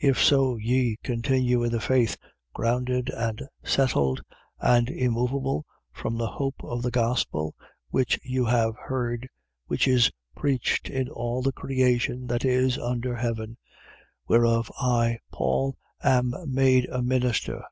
If so ye continue in the faith, grounded and settled, and immoveable from the hope of the gospel which you have heard, which is preached in all the creation that is under heaven: whereof I Paul am made a minister.